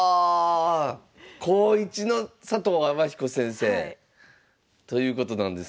高一の佐藤天彦先生ということなんですね。